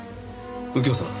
右京さん